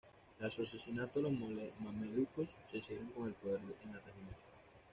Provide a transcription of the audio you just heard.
Tras su asesinato los mamelucos se hicieron con el poder en la región.